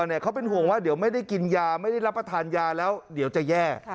เขาเป็นห่วงว่าเดี๋ยวไม่ได้กินยาไม่ได้รับประทานยาแล้วเดี๋ยวจะแย่